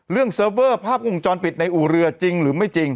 เรื่องเซิร์ฟเวอร์ภาพภูมิจรรย์ปิดในอู่เรือจริงหรือไม่จริง